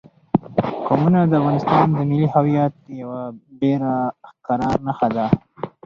قومونه د افغانستان د ملي هویت یوه ډېره ښکاره نښه ده.